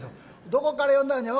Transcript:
どこから呼んだんか